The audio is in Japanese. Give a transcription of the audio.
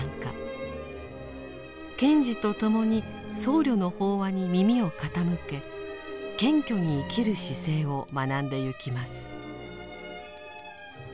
賢治と共に僧侶の法話に耳を傾け謙虚に生きる姿勢を学んでゆきます。